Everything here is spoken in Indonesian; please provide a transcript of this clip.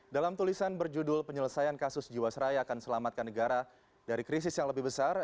dalam tulisan berjudul penyelesaian kasus jiwasraya akan selamatkan negara dari krisis yang lebih besar